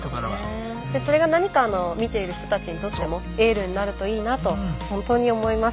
それが何かあの見ている人たちにとってもエールになるといいなと本当に思います。